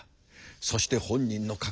そして本人の確信